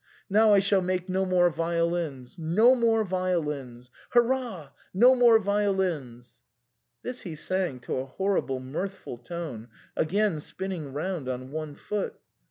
Now I shall make no more violins — no more violins — Hurrah ! no more violins !" This he sang to a horrible mirthful tune, again spinning round on one foot.